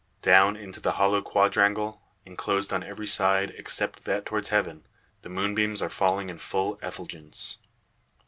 Down into the hollow quadrangle enclosed on every side, except that towards heaven the moonbeams are falling in full effulgence.